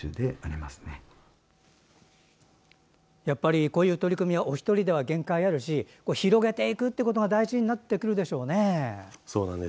やっぱりこういう取り組みはお一人では限界があるし広げていくことが大事になってくるでしょうね。